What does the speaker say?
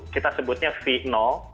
kita sebutnya v no